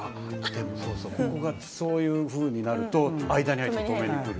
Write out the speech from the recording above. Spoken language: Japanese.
ここがそういうふうになると間に入って止めに来る。